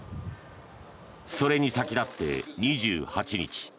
それに先立って２８日